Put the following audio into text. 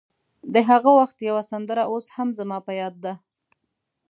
د هغه وخت یوه سندره اوس هم زما په یاد ده.